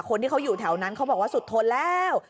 คนที่เขาอยู่แถวนั้นเขาบอกว่าสุดทนแล้ว